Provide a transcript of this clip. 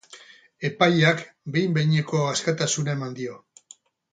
Epaileak behin-behineko askatasuna eman dio.